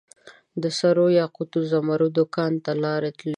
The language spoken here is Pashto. دسرو یاقوتو ، زمردو کان ته لار تللي ده